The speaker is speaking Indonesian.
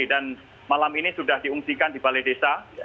dan malam ini sudah diungsikan di balai desa